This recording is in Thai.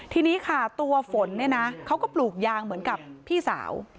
ทีนี้ค่ะตัวฝนเนี่ยนะเขาก็ปลูกยางเหมือนกับพี่สาว